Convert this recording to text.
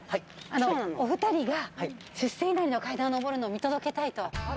お２人が出世稲荷の階段を上るのを見届けたいと。